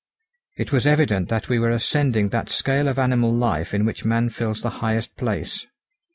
It was evident that we were ascending that scale of animal life in which man fills the highest place.